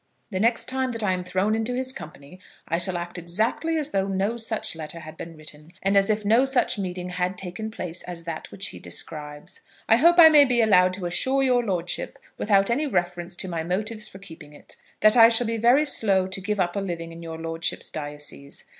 The next time that I am thrown into his company I shall act exactly as though no such letter had been written, and as if no such meeting had taken place as that which he describes. I hope I may be allowed to assure your lordship, without any reference to my motives for keeping it, that I shall be very slow to give up a living in your lordship's diocese.